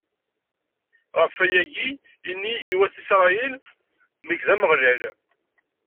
ɣef wayagi, ini i wat Isṛayil: Nekk, d Ameɣlal.